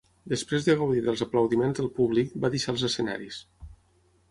Després de gaudir dels aplaudiments del públic, va deixar els escenaris.